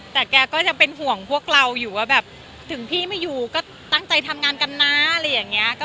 แต่แกก็ยังเป็นห่วงพวกเราอยู่ว่าแบบถึงพี่ไม่อยู่ก็ตั้งใจทำงานกันนะอะไรอย่างนี้